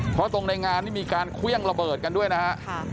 เพราะตรงในงานนี่มีการเครื่องระเบิดกันด้วยนะฮะ